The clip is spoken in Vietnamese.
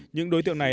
những đối tượng này